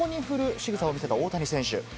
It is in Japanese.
しぐさを見せた大谷選手。